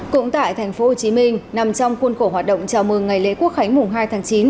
cũng tại thành phố hồ chí minh nằm trong khuôn khổ hoạt động chào mừng ngày lễ quốc khánh mùa hai tháng chín